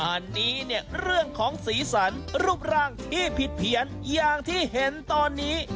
อันนี้เนี่ยเรื่องของสีสันรูปร่างที่ผิดเพี้ยนอย่างที่เห็นตอนนี้